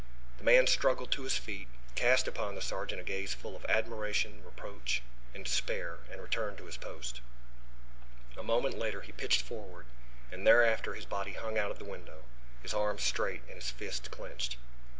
The man struggled to his feet, cast upon the sergeant a gaze full of admiration, reproach, and despair, and returned to his post. A moment later he pitched forward, and thereafter his body hung out of the window, his arms straight and the fists clenched.